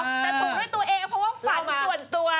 แต่ถูกด้วยตัวเองเพราะว่าฝันส่วนตัว